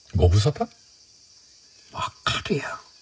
わかるやろ。